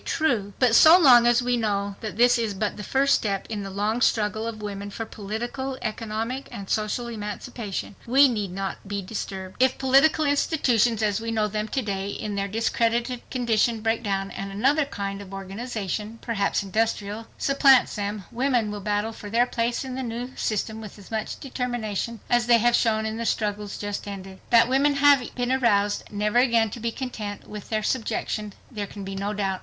True! But so long as we know that this is but the first step in the long struggle of women for political, economic and social emancipation, we need not be disturbed. If political institutions as we know them to day in their discredited condition break down, and another kind of organization—perhaps industrial—supplants them, women will battle for their place in the new system with as much determination as they have shown in the struggle just ended. That women have been aroused never again to be content with their subjection there can be no doubt.